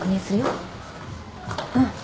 うん。